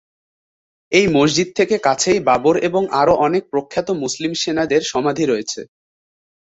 এই মসজিদ থেকে কাছেই বাবর এবং আরো অনেক প্রখ্যাত মুসলিম সেনাদের সমাধি রয়েছে।